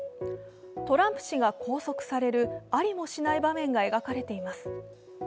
トランプ氏が拘束される、ありもしない場面が描かれています。